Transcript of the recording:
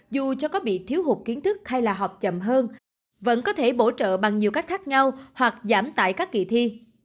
dù cho có bị thiếu hụt kiến thức hay là họp chậm hơn vẫn có thể bổ trợ bằng nhiều cách khác nhau hoặc giảm tại các kỳ thi